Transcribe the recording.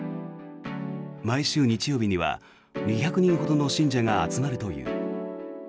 毎週日曜日には２００人ほどの信者が集まるという。